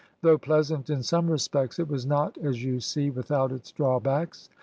Though pleasant in some respects, it was not, as you see, without its drawbacks.